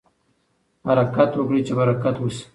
حرکت وکړئ چې برکت وشي.